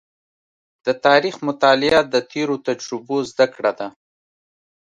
د تاریخ مطالعه د تېرو تجربو زده کړه ده.